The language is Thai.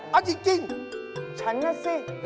เอาจริง